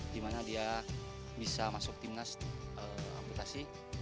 dimana dia bisa masuk timnas amputasi